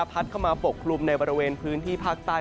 เข้ามาปกคลุมในบริเวณพื้นที่ภาคใต้